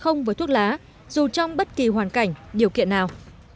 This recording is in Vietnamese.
không với thuốc lá dù trong bất kỳ hoàn cảnh điều kiện nào